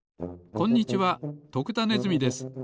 こんにちは徳田ネズミです。